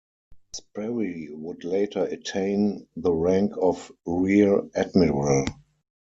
Sperry would later attain the rank of Rear Admiral.